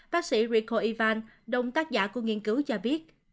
bác sĩ rico ivan đồng tác giả của nghiên cứu cho biết